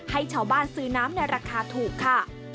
ให้ชาวบ้านซื้อน้ำในราคาถูกค่ะ